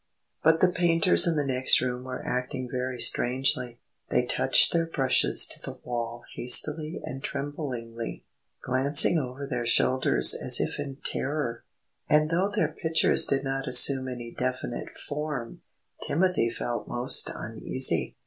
But the painters in the next group were acting very strangely. They touched their brushes to the wall hastily and tremblingly, glancing over their shoulders as if in terror. And though their pictures did not assume any definite form, Timothy felt most uneasy.